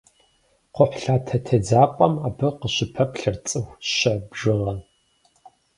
Кхъухьлъатэ тедзапӏэм абы къыщыпэплъэрт цӏыху щэ бжыгъэ.